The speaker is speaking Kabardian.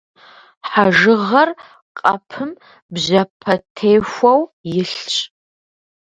Хьэжыгъэр къэпым бжьэпэтехуэу илъщ.